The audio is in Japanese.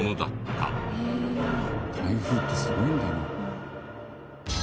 台風ってすごいんだな。